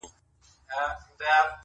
هجر د وامق کې د عذرا دړدونه څنګه وو